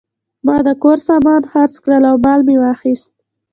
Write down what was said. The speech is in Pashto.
ما د کور سامان خرڅ کړ او مال مې واخیست.